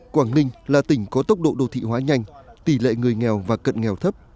quảng ninh là tỉnh có tốc độ đô thị hóa nhanh tỷ lệ người nghèo và cận nghèo thấp